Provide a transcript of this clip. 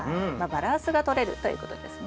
バランスがとれるということですね。